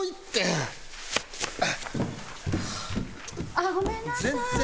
あっごめんなさい。